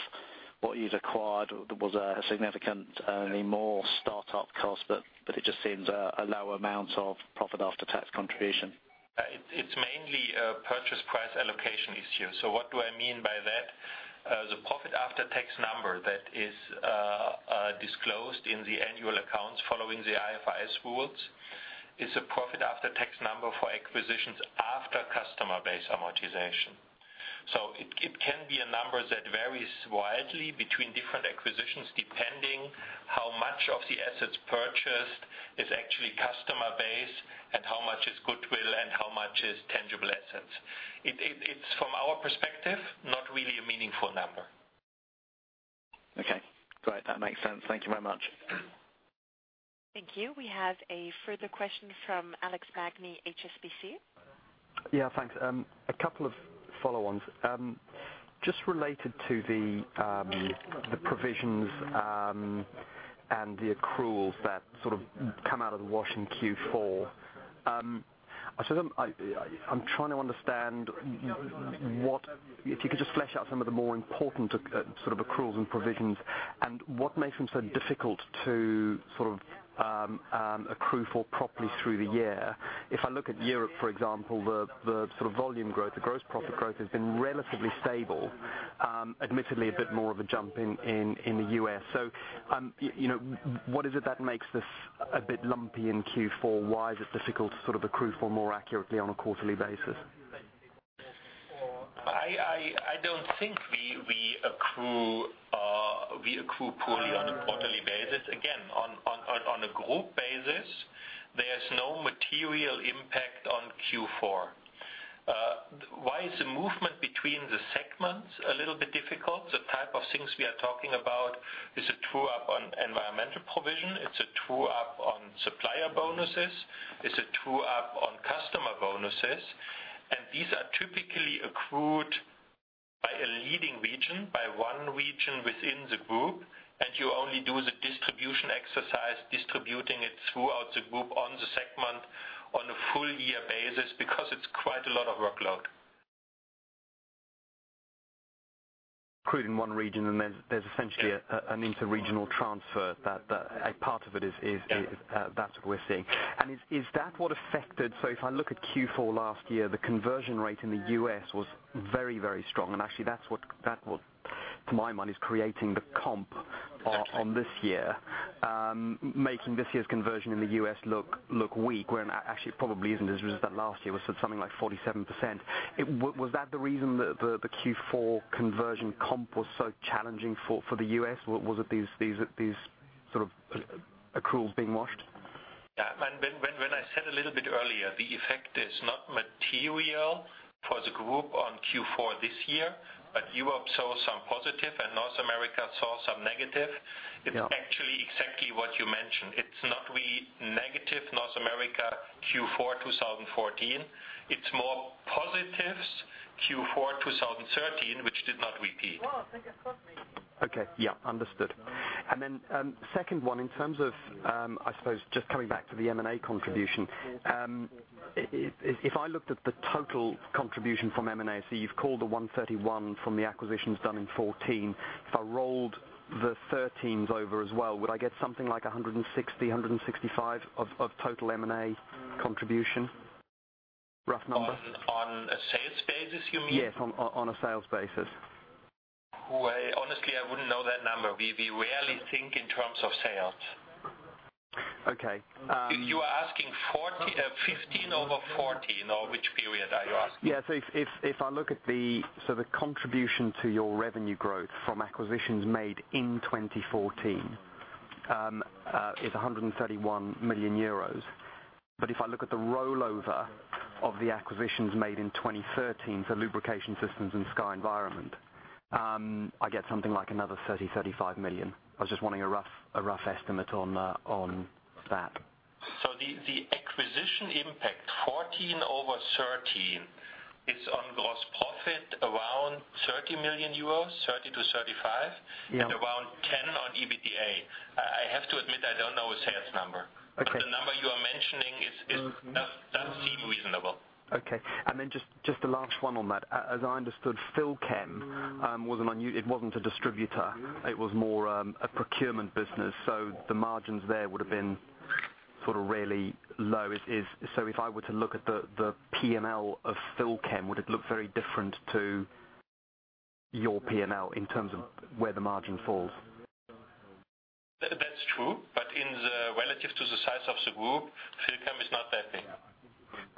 what you'd acquired or was there a significant, any more start-up cost, but it just seems a low amount of profit after tax contribution. It's mainly a purchase price allocation issue. What do I mean by that? The profit after tax number that is disclosed in the annual accounts following the IFRS rules, is a profit after tax number for acquisitions after customer base amortization. It can be a number that varies widely between different acquisitions, depending how much of the assets purchased is actually customer base and how much is goodwill and how much is tangible assets. It's, from our perspective, not really a meaningful number. Okay, great. That makes sense. Thank you very much. Thank you. We have a further question from Alex Magni, HSBC. Yeah, thanks. A couple of follow-ons. Just related to the provisions and the accruals that sort of come out of the wash in Q4. I am trying to understand, if you could just flesh out some of the more important sort of accruals and provisions and what makes them so difficult to accrue for properly through the year. If I look at Europe, for example, the volume growth, the gross profit growth has been relatively stable. Admittedly, a bit more of a jump in the U.S. What is it that makes this a bit lumpy in Q4? Why is it difficult to accrue for more accurately on a quarterly basis? I do not think we accrue poorly on a quarterly basis. Again, on a group basis, there is no material impact on Q4. Why is the movement between the segments a little bit difficult? The type of things we are talking about is a true-up on environmental provision, it is a true-up on supplier bonuses. It is a true-up on customer bonuses, and these are typically accrued by a leading region, by one region within the group, and you only do the distribution exercise, distributing it throughout the group on the segment on a full year basis because it is quite a lot of workload. Accrued in one region, and there is essentially an interregional transfer that a part of it is- Yeah that is what we are seeing. Is that what affected-- if I look at Q4 last year, the conversion rate in the U.S. was very strong, and actually that is what, to my mind, is creating the comp on this year, making this year's conversion in the U.S. look weak when actually it probably is not, as it was that last year was something like 47%. Was that the reason the Q4 conversion comp was so challenging for the U.S.? Was it these sort of accruals being washed? Yeah. When I said a little bit earlier, the effect is not material for the group on Q4 this year, but Europe saw some positive and North America saw some negative. Yeah. It's actually exactly what you mentioned. It's not really negative North America Q4 2014, it's more positives Q4 2013, which did not repeat. Okay. Yeah, understood. Then, second one, in terms of, I suppose just coming back to the M&A contribution. If I looked at the total contribution from M&A, so you've called the 131 from the acquisitions done in 2014. If I rolled the 2013s over as well, would I get something like 160, 165 of total M&A contribution? Rough number. On a sales basis, you mean? Yes, on a sales basis. Honestly, I wouldn't know that number. We rarely think in terms of sales. Okay. You are asking 2015 over 2014, or which period are you asking? If I look at the contribution to your revenue growth from acquisitions made in 2014 is 131 million euros. If I look at the rollover of the acquisitions made in 2013, so Lubrication Services and Blue Sky Environment, I get something like another 30 million-35 million. I was just wanting a rough estimate on that. The acquisition impact 2014 over 2013, it's on gross profit around 30 million euros, 30 million-35 million. Yeah. Around 10 million on EBITDA. I have to admit, I don't know a sales number. Okay. The number you are mentioning does seem reasonable. Okay. Just a last one on that. As I understood, Philchem, it wasn't a distributor. It was more a procurement business. The margins there would have been sort of really low. If I were to look at the P&L of Philchem, would it look very different to your P&L in terms of where the margin falls? That's true, but in the relative to the size of the group, Philchem is not that big.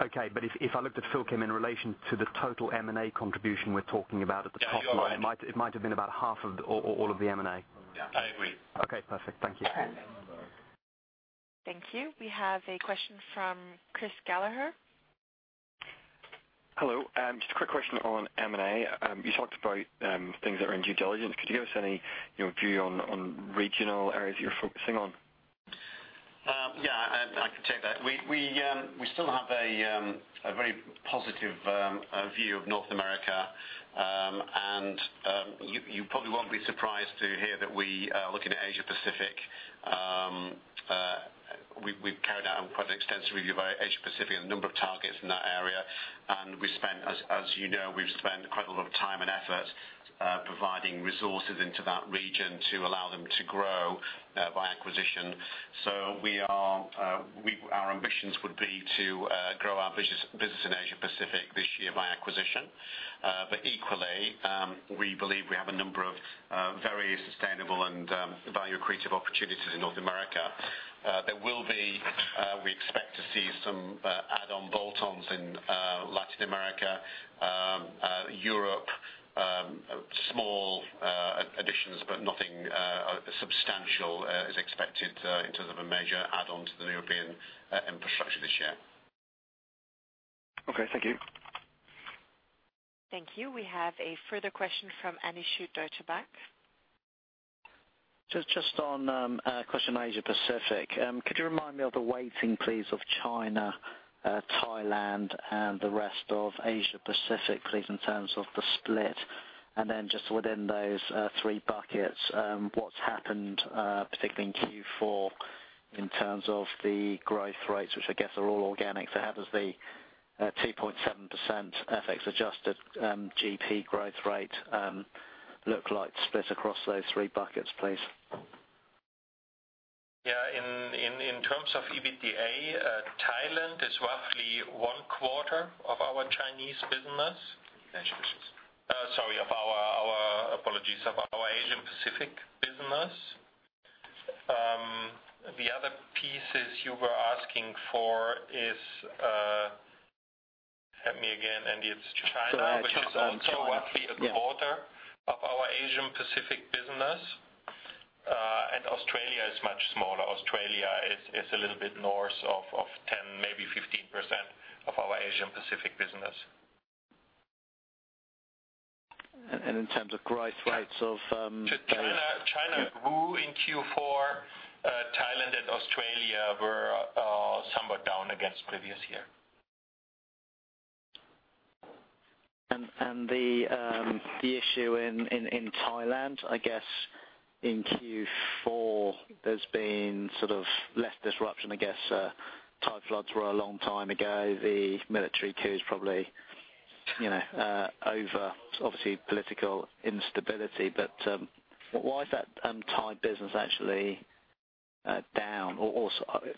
Okay. If I looked at Philchem in relation to the total M&A contribution we're talking about at the top- You are right It might have been about half of, or all of the M&A. Yeah, I agree. Okay, perfect. Thank you. Thank you. We have a question from Chris Gallagher. Hello. Just a quick question on M&A. You talked about things that are in due diligence. Could you give us any view on regional areas you're focusing on? Yeah, I could take that. We still have a very positive view of North America. You probably won't be surprised to hear that we are looking at Asia Pacific. We've carried out quite an extensive review of our Asia Pacific, a number of targets in that area. As you know, we've spent quite a lot of time and effort providing resources into that region to allow them to grow by acquisition. Our ambitions would be to grow our business in Asia Pacific this year by acquisition. Equally, we believe we have a number of very sustainable and value-accretive opportunities in North America. We expect to see some add-on bolt-ons in Latin America, Europe small additions, but nothing substantial is expected in terms of a major add-on to the European infrastructure this year. Okay, thank you. Thank you. We have a further question from Andy Chu, Deutsche Bank. Just on a question on Asia Pacific. Could you remind me of the weighting, please, of China, Thailand, and the rest of Asia Pacific, please, in terms of the split? Just within those three buckets, what's happened, particularly in Q4, in terms of the growth rates, which I guess are all organic. How does the 2.7% FX-adjusted GP growth rate look like split across those three buckets, please? Yeah. In terms of EBITDA, Thailand is roughly one-quarter of our Chinese business. Asia business. Sorry. Apologies. Of our Asian Pacific business. The other pieces you were asking for is, help me again, Andy, it's China. Sorry. I touched on China which is also roughly a quarter of our Asian Pacific business. Australia is much smaller. Australia is a little bit north of 10%, maybe 15% of our Asian Pacific business. In terms of growth rates. China grew in Q4. Thailand and Australia were somewhat down against previous year. The issue in Thailand, I guess in Q4, there's been sort of less disruption, I guess. Thai floods were a long time ago. The military coup is probably over. It's obviously political instability, why is that Thai business actually down? Or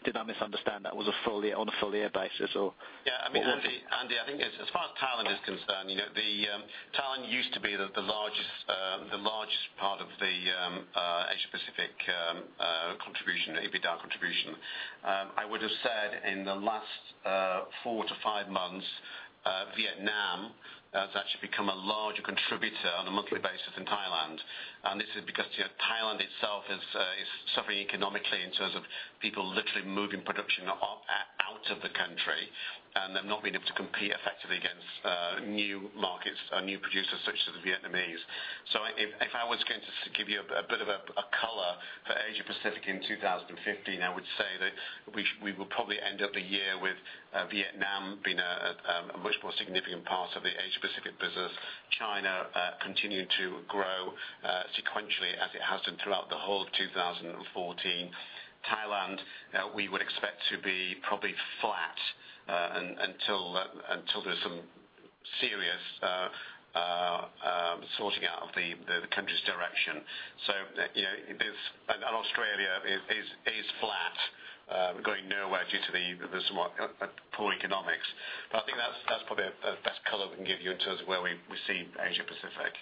did I misunderstand that was on a full year basis? I mean, Andy, I think as far as Thailand is concerned, Thailand used to be the largest part of the Asia Pacific EBITDA contribution. I would've said in the last four to five months, Vietnam has actually become a larger contributor on a monthly basis than Thailand. This is because Thailand itself is suffering economically in terms of people literally moving production out of the country. They've not been able to compete effectively against new markets or new producers such as the Vietnamese. If I was going to give you a bit of a color for Asia Pacific in 2015, I would say that we will probably end up the year with Vietnam being a much more significant part of the Asia Pacific business. China continuing to grow sequentially as it has been throughout the whole of 2014. Thailand, we would expect to be probably flat until there's some serious sorting out of the country's direction. Australia is flat, going nowhere due to the somewhat poor economics. I think that's probably the best color we can give you in terms of where we see Asia Pacific.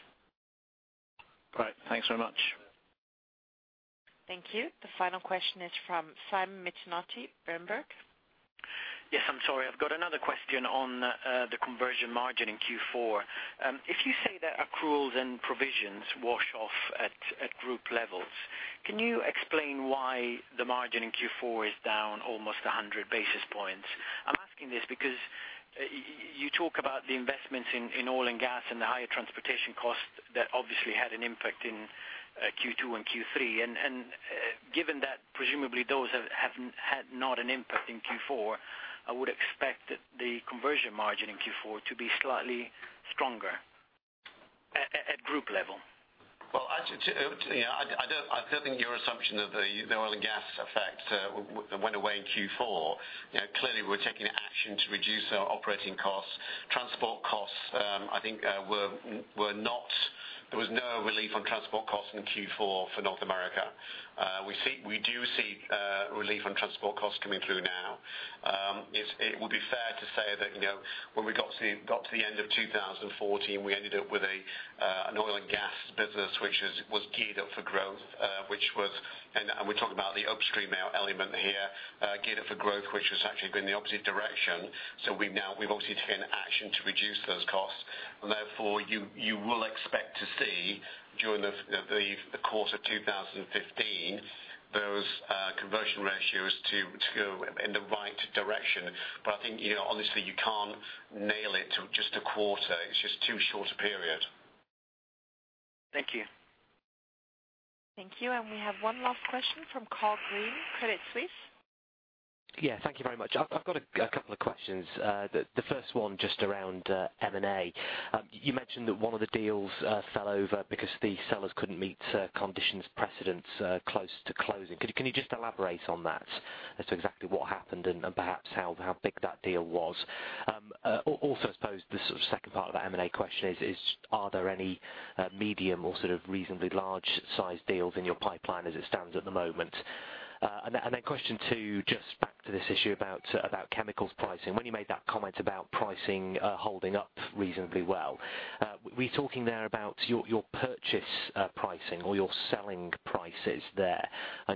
Right. Thanks very much. Thank you. The final question is from Simon Mezzanotte, Berenberg. Yes. I'm sorry. I've got another question on the conversion margin in Q4. If you say that accruals and provisions wash off at group levels, can you explain why the margin in Q4 is down almost 100 basis points? I'm asking this because you talk about the investments in oil and gas and the higher transportation costs that obviously had an impact in Q2 and Q3. Given that presumably those have had not an impact in Q4, I would expect the conversion margin in Q4 to be slightly stronger at group level. Well, I don't think your assumption of the oil and gas effect went away in Q4. Clearly, we're taking action to reduce our operating costs. Transport costs, I think there was no relief on transport costs in Q4 for North America. We do see relief on transport costs coming through now. It would be fair to say that when we got to the end of 2014, we ended up with an oil and gas business, which was geared up for growth. We're talking about the upstream element Geared up for growth, which has actually been the opposite direction. We've obviously taken action to reduce those costs, and therefore you will expect to see during the course of 2015, those conversion ratios to go in the right direction. I think, honestly, you can't nail it to just a quarter. It's just too short a period. Thank you. Thank you. We have one last question from Karl Green, Credit Suisse. Yeah, thank you very much. I've got a couple of questions. The first one just around M&A. You mentioned that one of the deals fell over because the sellers couldn't meet conditions precedents close to closing. Can you just elaborate on that as to exactly what happened and perhaps how big that deal was? Also, I suppose the sort of second part of that M&A question is, are there any medium or sort of reasonably large size deals in your pipeline as it stands at the moment? Question two, just back to this issue about chemicals pricing. When you made that comment about pricing holding up reasonably well, were you talking there about your purchase pricing or your selling prices there?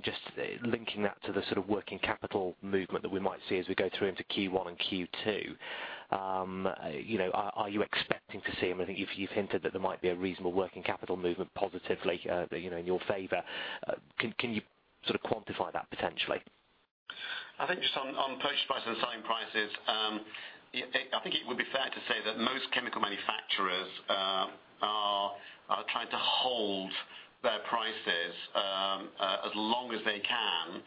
Just linking that to the sort of working capital movement that we might see as we go through into Q1 and Q2, are you expecting to see them? I think you've hinted that there might be a reasonable working capital movement positively in your favor. Can you sort of quantify that potentially? I think just on purchase prices and selling prices, I think it would be fair to say that most chemical manufacturers are trying to hold their prices as long as they can,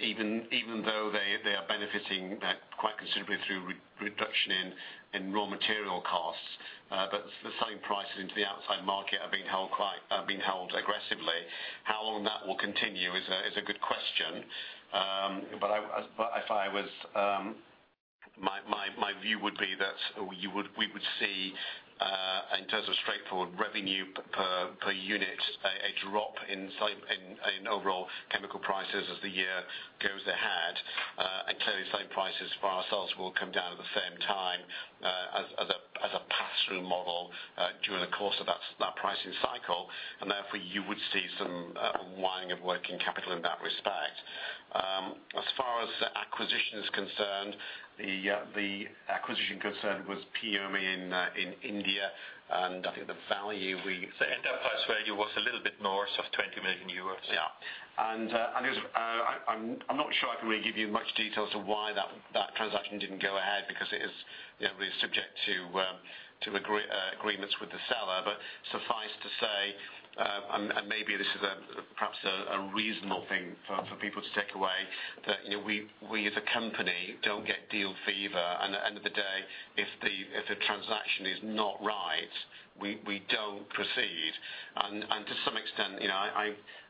even though they are benefiting quite considerably through reduction in raw material costs. The selling prices into the outside market are being held aggressively. How long that will continue is a good question. My view would be that we would see, in terms of straightforward revenue per unit, a drop in overall chemical prices as the year goes ahead. Clearly, selling prices for ourselves will come down at the same time as a pass-through model during the course of that pricing cycle, and therefore you would see some unwinding of working capital in that respect. As far as acquisition is concerned, the acquisition concerned was Pioma in India, and I think the value we- The enterprise value was a little bit more, sort of 20 million euros. Yeah. I'm not sure I can really give you much detail as to why that transaction didn't go ahead because it is subject to agreements with the seller. Suffice to say, and maybe this is perhaps a reasonable thing for people to take away, that we as a company don't get deal fever. At the end of the day, if the transaction is not right, we don't proceed. To some extent,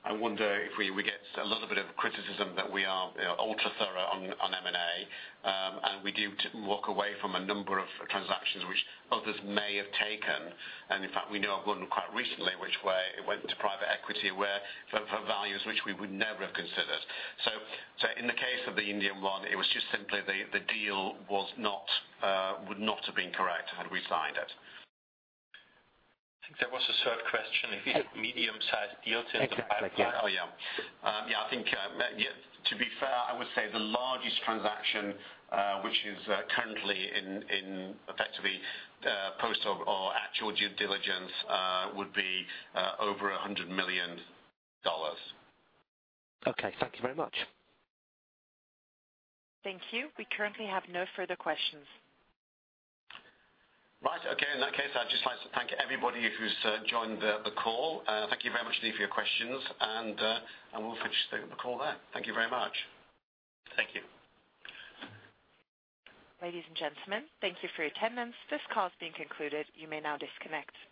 I wonder if we get a little bit of criticism that we are ultra thorough on M&A, and we do walk away from a number of transactions which others may have taken. In fact, we know of one quite recently which went to private equity for values which we would never have considered. In the case of the Indian one, it was just simply the deal would not have been correct had we signed it. I think there was a third question. Medium-sized deal in terms of pipeline. Yeah. Yeah. I think, to be fair, I would say the largest transaction, which is currently in effectively post or actual due diligence, would be over EUR 100 million. Okay. Thank you very much. Thank you. We currently have no further questions. Right. Okay. In that case, I'd just like to thank everybody who's joined the call. Thank you very much indeed for your questions, and we'll finish the call there. Thank you very much. Thank you. Ladies and gentlemen, thank you for your attendance. This call has been concluded. You may now disconnect.